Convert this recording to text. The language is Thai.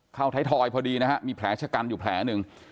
ท้ายทอยพอดีนะฮะมีแผลชะกันอยู่แผลหนึ่ง